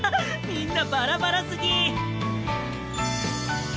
みんなバラバラすぎ。